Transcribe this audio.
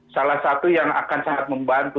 salah satu yang akan sangat membantu